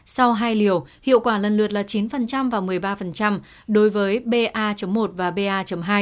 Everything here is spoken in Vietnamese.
sau hai liều hiệu quả lần lượt là chín và một mươi ba đối với ba một và ba hai